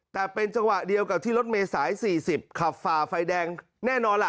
แต่เป็นจังหวะเดียวกับที่รถเมษาย๔๐ขับฝ่าไฟแดงแน่นอนล่ะ